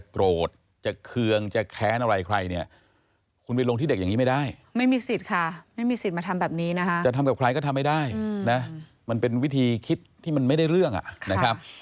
ก็เกิดจากอารมณ์ของตัวผู้ต่างหาอย่างนี้